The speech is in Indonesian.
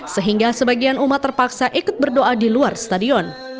sehingga sebagian umat terpaksa ikut berdoa di luar stadion